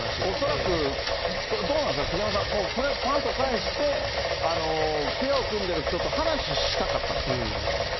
恐らく、どうなんですか、杉山さん、とりあえず、ぱんと返して、ペアを組んでる人と話したかったんですかね？